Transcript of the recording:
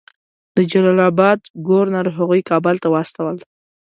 د جلال آباد ګورنر هغوی کابل ته واستول.